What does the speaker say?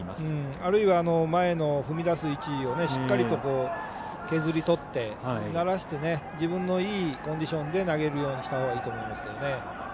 あるいは前の踏み出す位置をしっかりと削り取ってならして、自分のいいコンディションで投げるようにしたほうがいいと思います。